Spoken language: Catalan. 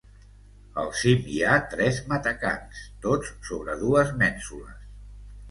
Al cim, hi ha tres matacans, tots sobre dues mènsules.